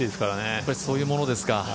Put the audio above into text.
やっぱりそういうものですか。